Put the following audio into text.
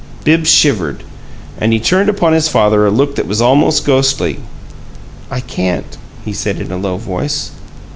Bibbs shivered. And he turned upon his father a look that was almost ghostly. "I can't," he said, in a low voice.